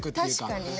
確かにね。